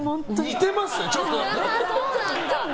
似てますね、ちょっとね。